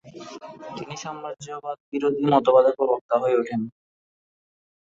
তিনি সাম্রাজ্যবাদবিরোধী মতবাদের প্রবক্তা হয়ে ওঠেন।